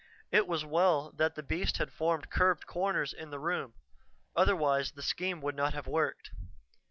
It was well that the beast had formed curved corners in the room, otherwise the scheme would not have worked.